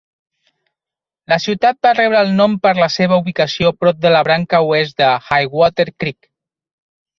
La ciutat va rebre el nom per la seva ubicació prop de la branca oest de Highwater Creek.